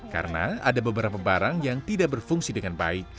karena ada beberapa barang yang tidak berfungsi dengan baik